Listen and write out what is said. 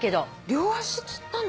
両足つったの？